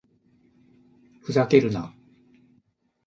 ふざけるな